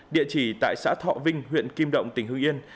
địa chỉ tại xã thọ vinh huyện kim động tỉnh hưng yên